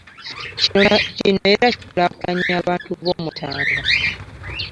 Kino era kikulaakulanye abantu b'Omutanda.